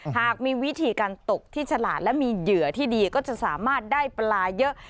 หากมีวิธีการตกที่ฉลาดและมีเหยื่อที่ดีก็จะสามารถได้ปลาเยอะ